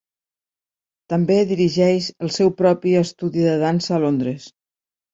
També dirigeix el seu propi estudi de dansa a Londres.